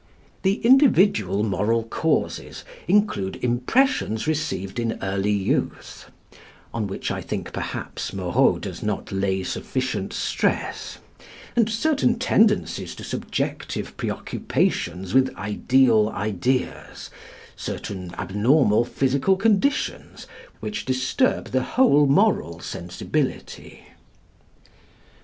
The "Individual Moral Causes" include impressions received in early youth, on which I think perhaps Moreau does not lay sufficient stress, and certain tendencies to subjective preoccupations with ideal ideas, certain abnormal physical conditions which disturb the whole moral sensibility.